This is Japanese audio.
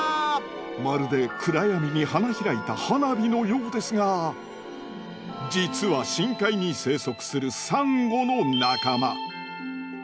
まるで暗闇に花開いた花火のようですが実は深海に生息するサンゴの仲間。